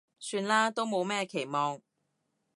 算啦，都冇咩期望